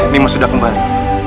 nimas sudah kembali